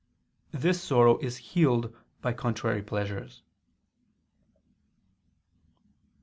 This sorrow is healed by contrary pleasures.